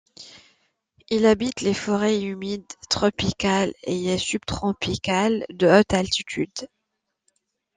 Il habite les forêts humides tropicales et subtropicales de haute altitude.